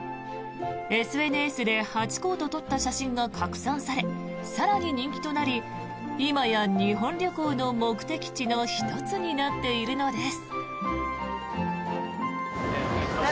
ＳＮＳでハチ公と撮った写真が拡散され更に人気となり今や日本旅行の目的地の１つになっているのです。